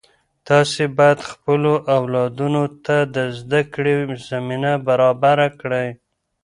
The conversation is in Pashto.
تاسې باید خپلو اولادونو ته د زده کړې زمینه برابره کړئ.